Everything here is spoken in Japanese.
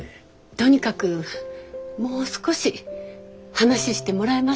とにかくもう少し話してもらえますか？